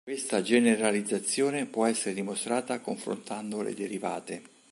Questa generalizzazione può essere dimostrata confrontando le derivate.